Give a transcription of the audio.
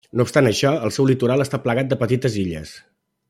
No obstant això, el seu litoral està plagat de petites illes.